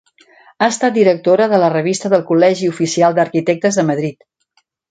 Ha estat directora de la Revista del Col·legi Oficial d'Arquitectes de Madrid.